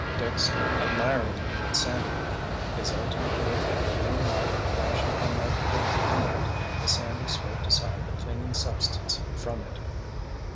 Dick stared admiringly at Sandy, exultantly at the green light flashing from that hidden emerald as Sandy scraped aside the clinging substance from it.